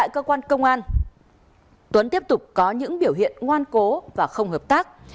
công an tuấn tiếp tục có những biểu hiện ngoan cố và không hợp tác